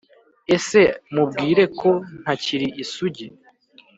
Ese mubwire ko ntakiri isug